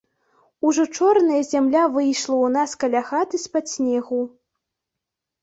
Ужо чорная зямля выйшла ў нас каля хаты з-пад снегу.